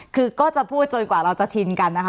คือก็จะพูดจนกว่าเราจะชินกันนะคะ